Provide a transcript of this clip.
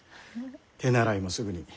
手習いもすぐに。